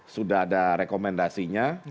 sudah ada rekomendasinya